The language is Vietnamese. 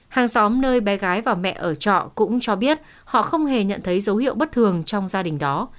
hàng xóm nơi bé gái và mẹ ở trọ cũng cho biết họ không hề nhận thấy dấu hiệu bất thường trong gia đình đó